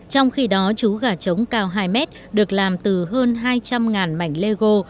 trong khi đó chú gà trống cao hai m được làm từ hơn hai trăm linh mảnh lego